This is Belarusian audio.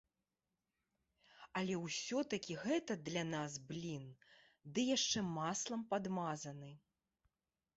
Але ўсё-такі гэта для нас блін ды яшчэ маслам падмазаны.